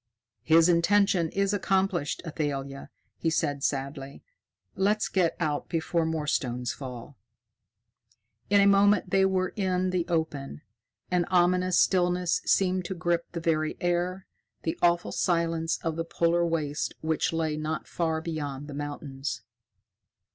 "His intention is accomplished, Athalia," he said sadly. "Let's get out before more stones fall." In a moment they were in the open. An ominous stillness seemed to grip the very air the awful silence of the polar wastes which lay not far beyond the mountains.